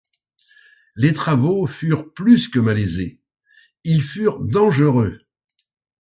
Les travaux furent plus que malaisés ; ils furent dangereux.